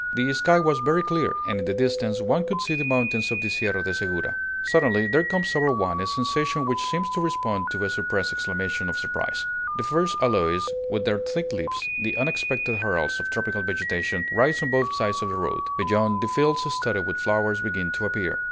The sky was very clear, and in the distance one could see the mountains of the Sierra de Segura. Suddenly, there comes over one a sensation which seems to respond to a suppressed exclamation of surprise: the first aloes with their thick leaves, the unexpected heralds of tropical vegetation, rise on both sides of the road. Beyond, the fields studded with flowers begin to appear.